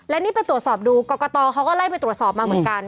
และนี่ไปตรวจสอบดูกรกตเขาก็ไล่ไปตรวจสอบมาเหมือนกัน